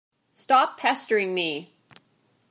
Stop pestering me!